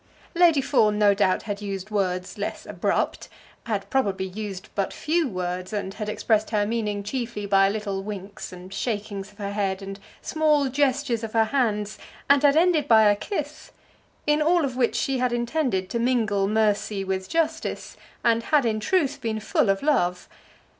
Lady Fawn no doubt had used words less abrupt, had probably used but few words, and had expressed her meaning chiefly by little winks, and shakings of her head, and small gestures of her hands, and had ended by a kiss, in all of which she had intended to mingle mercy with justice, and had, in truth, been full of love.